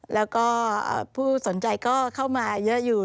แล้วก็ผู้สนใจก็เข้ามาเยอะอยู่